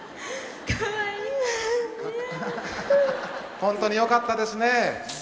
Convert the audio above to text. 本当によかったですね。